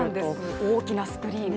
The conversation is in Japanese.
大きなスクリーン。